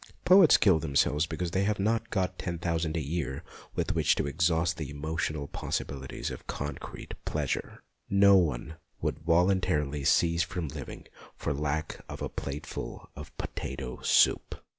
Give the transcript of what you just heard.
Poets kill themselves because they have not got ten thousand a year with which to exhaust the emotional possibilities of concrete pleasure ; no one would voluntarily cease from living for lack of a plateful of potato soup.